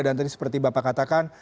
dan tadi seperti bapak katakan